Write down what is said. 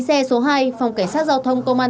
xe số hai phòng cảnh sát giao thông công an